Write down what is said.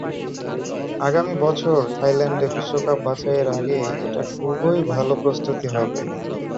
আগামী বছর থাইল্যান্ডে বিশ্বকাপ বাছাইয়ের আগে এটা খুবই ভালো প্রস্তুতি হবে।